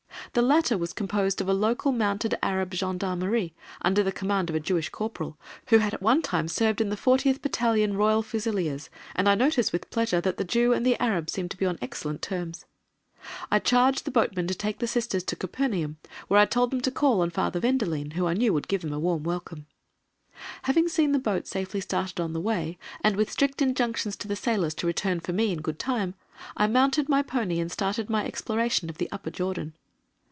The latter was composed of local mounted Arab gendarmerie, under the command of a Jewish corporal, who had at one time served in the 40th Battalion Royal Fusiliers, and I noticed with pleasure that the Jew and the Arabs seemed to be on excellent terms. I charged the boatman to take the Sisters to Capernaum, where I told them to call on Father Vendelene, who I knew would give them a warm welcome. Having seen the boat safely started on the way, and with strict injunctions to the sailors to return for me in good time, I mounted my pony and started my exploration of the Upper Jordan.